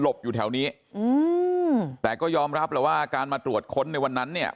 อยู่แถวนี้อืมแต่ก็ยอมรับแล้วว่าการมาตรวจค้นในวันนั้นเนี่ย